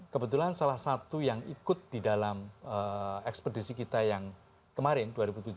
kebetulan salah satu yang ikut di dalam ekspedisi kita yang kemarin dua ribu tujuh belas